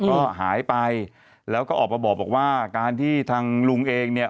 ก็หายไปแล้วก็ออกมาบอกว่าการที่ทางลุงเองเนี่ย